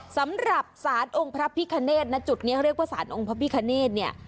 สำหรับสารองค์พระพิคเนธนะจุดนี้เขาเรียกว่าสารองค์พระพิคเนธเนี่ย